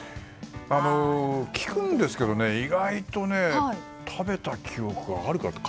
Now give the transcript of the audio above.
聞くんですけど意外と食べた記憶が。